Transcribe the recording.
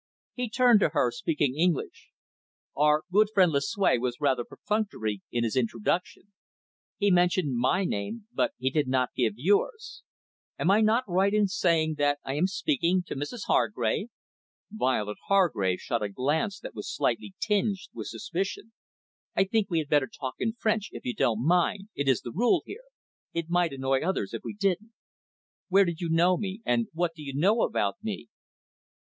He turned to her, speaking in English. "Our good friend Lucue was rather perfunctory in his introduction. He mentioned my name, but he did not give yours. Am I not right in saying that I am speaking to Mrs Hargrave?" Violet Hargrave shot at him a glance that was slightly tinged with suspicion. "I think we had better talk in French, if you don't mind it is the rule here. It might annoy others if we didn't. Where did you know me, and what do you know about me?"